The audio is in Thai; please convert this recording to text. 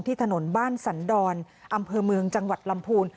ถนนบ้านสันดรอำเภอเมืองจังหวัดลำพูน